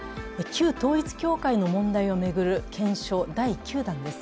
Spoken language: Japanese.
旧統一教会の問題を巡る検証９弾です。